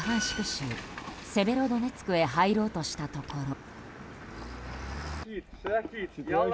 州セベロドネツクへ入ろうとしたところ。